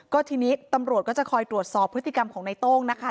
ก็ทีนี้ตำรวจก็จะคอยตรวจสอบพฤติกรรมของในโต้งนะคะ